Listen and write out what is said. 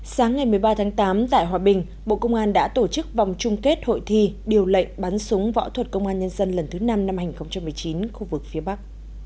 sáng ngày một mươi ba tháng tám tại hòa bình bộ công an đã tổ chức vòng chung kết hội thi điều lệnh bắn súng võ thuật công an nhân dân lần thứ năm năm hai nghìn một mươi chín khu vực phía bắc